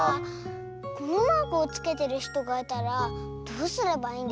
このマークをつけてるひとがいたらどうすればいいんですか？